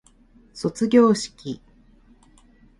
卒業式